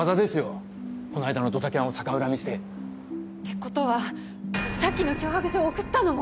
この間のドタキャンを逆恨みして。って事はさっきの脅迫状を送ったのも。